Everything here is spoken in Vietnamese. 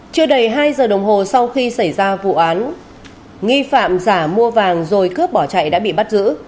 chưa đầy hai giờ đồng hồ sau khi xảy ra vụ án nghi phạm giả mua vàng rồi cướp bỏ chạy đã bị bắt giữ